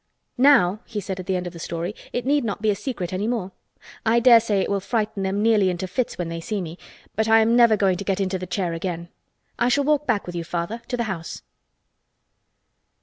"Now," he said at the end of the story, "it need not be a secret any more. I dare say it will frighten them nearly into fits when they see me—but I am never going to get into the chair again. I shall walk back with you, Father—to the house."